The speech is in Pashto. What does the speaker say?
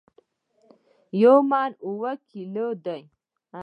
یو من اوو کیلو دي